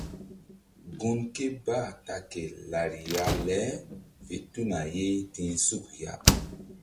Gun ké bah ta ke lariya le fe tuna ye ti̧h suk ya.